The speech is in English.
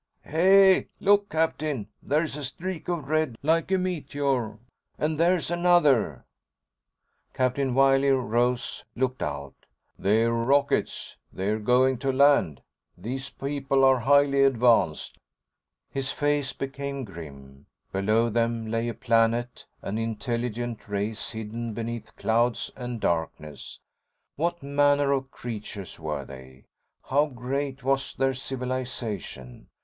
"Hey, look, Captain! There's a streak of red, like a meteor. And there's another!" Captain Wiley rose, looked out. "They're rockets. They're going to land. These people are highly advanced." His face became grim. Below them lay a planet, an intelligent race hidden beneath clouds and darkness. What manner of creatures were they? How great was their civilization?